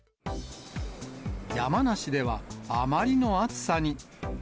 山梨では、あまりの暑さに。